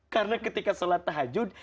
karena ketika sholat tahajud